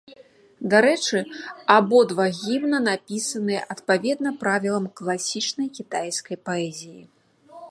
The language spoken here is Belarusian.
Дарэчы, абодва гімна напісаныя адпаведна правілам класічнай кітайскай паэзіі.